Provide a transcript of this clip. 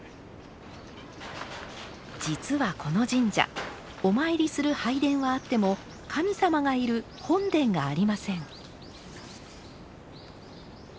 実はこの神社お参りする拝殿はあっても神様がいる本殿がありません。